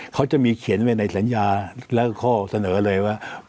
เขาจะมีเขียนไว้ในสัญญาแล้วข้อเสนอเลยว่า